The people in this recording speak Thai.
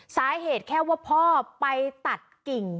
สาเหตุแค่ว่าพ่อไปตัดกิ่ง